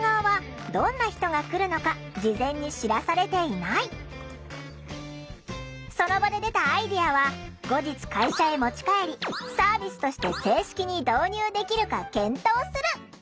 ちなみに店側はその場で出たアイデアは後日会社へ持ち帰りサービスとして正式に導入できるか検討する。